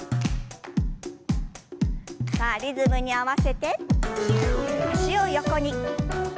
さあリズムに合わせて脚を横に。